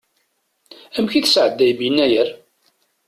Amek i tesɛeddayem Yennayer?